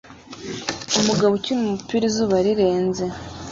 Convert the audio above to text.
Umugabo ukina umupira izuba rirenze